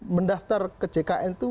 mendaftar ke jkn itu